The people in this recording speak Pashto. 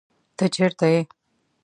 ته چرته یې؟